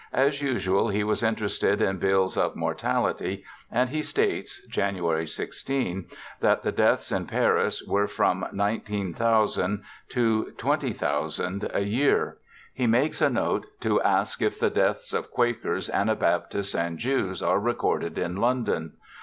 As usual he was interested in bills of mortality, and he states (January 16) that the deaths in Paris were from 19,000 to 20,000 a year. He makes a note to ask if the deaths of Quakers, Anabaptists, and Jews are recorded in London.